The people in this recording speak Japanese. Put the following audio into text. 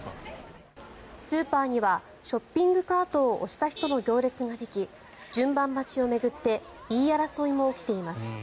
スーパーにはショッピングカートを押した人の行列ができ順番待ちを巡って言い争いも起きています。